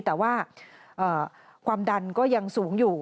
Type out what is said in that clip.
แต่ว่าความดันก็ยังสูงอยู่